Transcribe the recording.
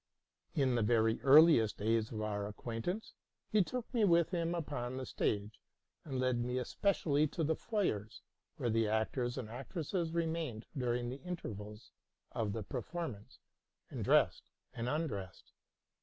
In the very earliest days of our acquaintance, be took me with him upon the stage, and led me especially to the foyers, where the actors and actresses remained during the intervals of the performance, and dressed and undressed.